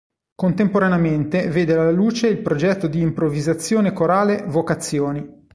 Contemporaneamente vede la luce il progetto di improvvisazione corale “Vocazioni”.